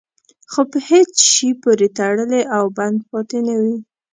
خو په هېڅ شي پورې تړلی او بند پاتې نه وي.